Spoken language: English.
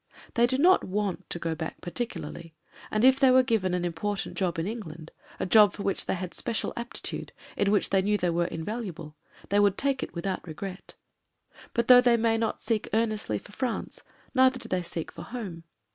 They do not zvant to go back particularly — ^and if they were given an important job in England, a job for which they had special aptitude, in which they knew they were invaluable, they would take it without regret But though they may not seek earnestly for France — neither do they seek for home.